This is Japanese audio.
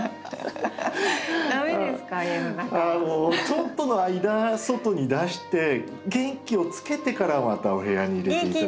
ちょっとの間外に出して元気をつけてからまたお部屋に入れて頂く。